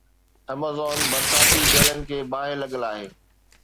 Amazon برساتي ٻيلن کي باهه لڳل آهي.